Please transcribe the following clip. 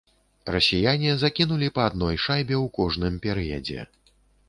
Расіяне закінулі па адной шайбе ў кожным перыядзе.